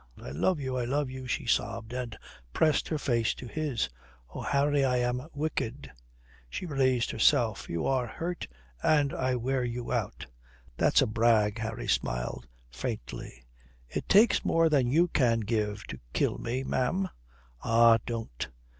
"I love you, I love you," she sobbed, and pressed her face to his.... "Oh, Harry, I am wicked." She raised herself. "You are hurt, and I wear you out." "That's a brag." Harry smiled faintly, "It takes more than you can give to kill me, ma'am." "Ah, don't."